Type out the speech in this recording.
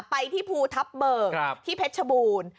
ไปที่ภูทับเบิกที่เพชรชบูรณ์